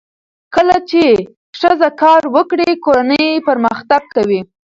کله چې ښځه کار وکړي، کورنۍ پرمختګ کوي.